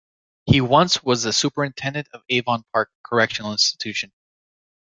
He once was the Superintendent of Avon Park Correctional Institution.